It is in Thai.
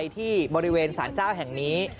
ที่บริเวณสารเจ้าแห่งนี้